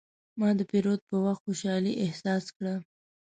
ما د پیرود په وخت خوشحالي احساس کړه.